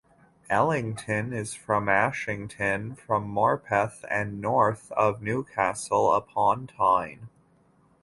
Ellington is from Ashington, from Morpeth and north of Newcastle upon Tyne.